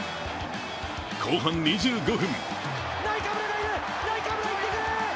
後半２５分。